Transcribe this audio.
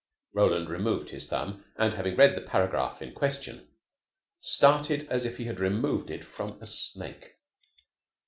Roland removed his thumb, and, having read the paragraph in question, started as if he had removed it from a snake.